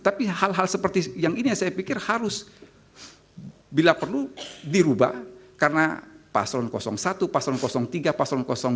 tapi hal hal seperti yang ini yang saya pikir harus bila perlu dirubah karena paslon satu paslon tiga paslon dua